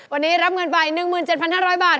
วันนี้รับเงินไป๑๗๕๐๐บาท